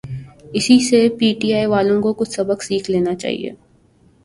اسی سے پی ٹی آئی والوں کو کچھ سبق سیکھ لینا چاہیے۔